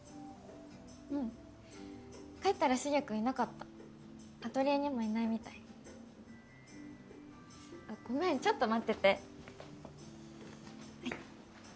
うん帰ったらしげ君いなかったアトリエにもいないみたいごめんちょっと待っててはい